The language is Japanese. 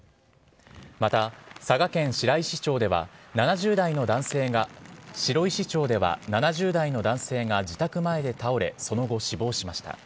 また佐賀県白石町では７０代の男性が、白石町では７０代の男性が自宅前で倒れ、その後、死亡しました。